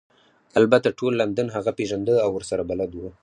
البته ټول لندن هغه پیژنده او ورسره بلد وو